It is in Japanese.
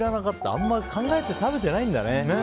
あんまり考えて食べてないんだね。